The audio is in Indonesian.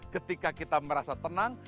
ketika kita merasa tenang